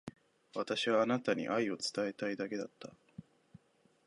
私はあなたに愛を伝えたいだけだった。